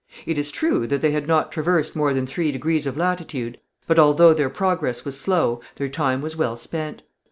It is true that they had not traversed more than three degrees of latitude, but, although their progress was slow, their time was well spent.